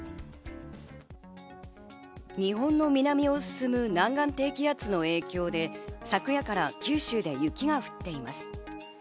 日本の南を進む南岸低気圧の影響で昨夜から九州で雪が降っています。